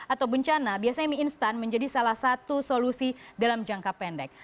atau bencana biasanya mie instan menjadi salah satu solusi dalam jangka pendek